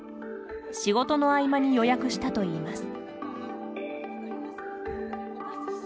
仕事の合間に予約したといいます。